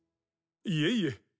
いえいえ。